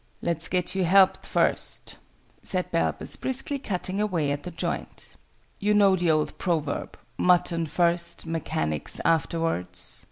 "Let's get you helped first," said Balbus, briskly cutting away at the joint. "You know the old proverb 'Mutton first, mechanics afterwards'?"